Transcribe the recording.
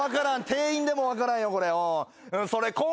店員でも分からんよ。